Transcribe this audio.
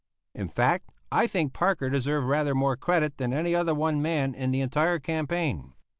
In fact, I think Parker deserved rather more credit than any other one man in the entire campaign.